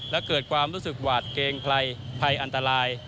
และเกิดความรู้สึกหวาดเกรงภัยภัยอันตราย